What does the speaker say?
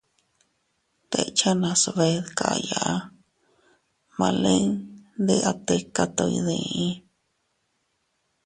Dechenas bee dkaya ma lin ndi a tika to iydii.